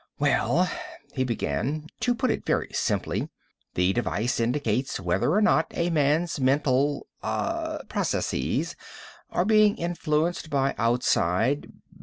"Well," he began, "to put it very simply, the device indicates whether or not a man's mental ... ah ... processes are being influenced by outside